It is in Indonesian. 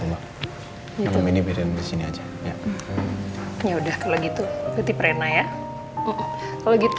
yuk udah sayang